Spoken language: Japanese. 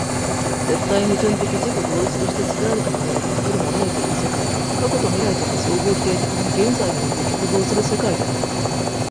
絶対矛盾的自己同一として作られたものより作るものへという世界は、過去と未来とが相互否定的に現在において結合する世界であり、